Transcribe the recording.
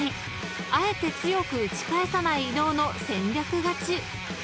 ［あえて強く打ち返さない伊野尾の戦略勝ち］